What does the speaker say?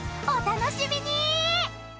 ［お楽しみに！］